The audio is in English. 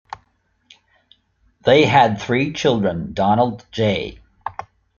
They had three children, Donald J.